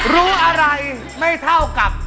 รู้อะไรไม่เท่ากับ